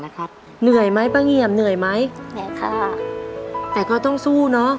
เหนื่อยไหมป้าเงี่ยมเหนื่อยไหมเหนื่อยค่ะแต่ก็ต้องสู้เนอะ